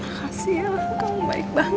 kasih ya kamu baik banget